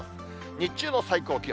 日中の最高気温。